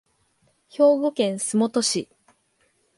兵庫県洲本市